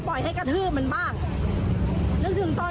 คุณผู้ชมคุณผู้ชมคุณผู้ชม